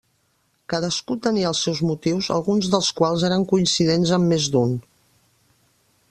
Cadascú tenia els seus motius, alguns dels quals eren coincidents en més d’un.